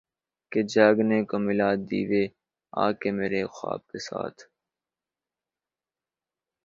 کہ جاگنے کو ملا دیوے آکے میرے خواب کیساتھ